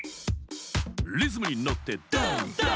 「リズムにのってダンダン」